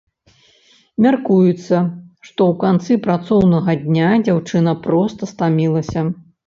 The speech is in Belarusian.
Мяркуецца, што ў канцы працоўнага дня дзяўчына проста стамілася.